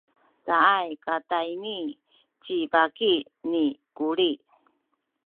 caay katayni ci baki ni Kuli.